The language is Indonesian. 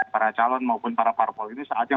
para calon maupun para parpol ini saatnya